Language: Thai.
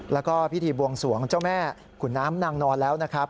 แล้วก็พิธีบวงสวงเจ้าแม่ขุนน้ำนางนอนแล้วนะครับ